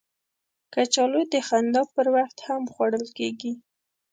کچالو د خندا پر وخت هم خوړل کېږي